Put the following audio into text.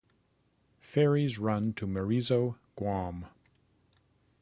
Ferries run to Merizo, Guam.